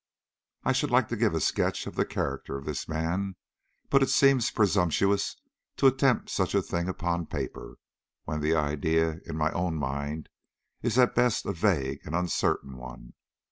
I should like to give a sketch of the character of this man, but it seems presumptuous to attempt such a thing upon paper, when the idea in my own mind is at best a vague and uncertain one.